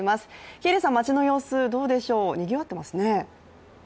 喜入さん、街の様子どうでしょう、にぎわっていますね。